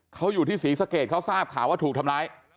เขาอยู่ที่ศรีสะเกดเขาทราบข่าวว่าถูกทำร้าย